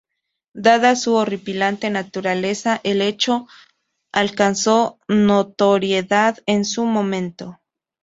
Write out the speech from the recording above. Dada su horripilante naturaleza, el hecho alcanzó notoriedad en su momento.